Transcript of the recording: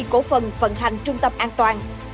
cổ phần phận hành trung tâm an toàn